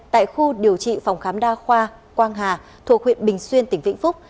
tại khu điều trị phòng khám đa khoa quang hà thuộc huyện bình xuyên tỉnh vĩnh phúc